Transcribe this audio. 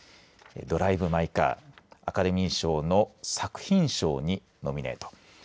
ドライブ・マイ・カーアカデミー賞の作品賞にノミネート。